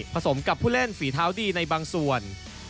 สมกับผู้เล่นฝีเท้าดีในบางส่วน